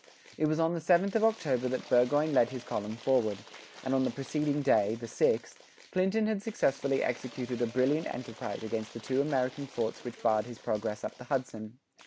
It was on the 7th of October that Burgoyne led his column forward; and on the preceding day, the 6th, Clinton had successfully executed a brilliant enterprise against the two American forts which barred his progress up the Hudson.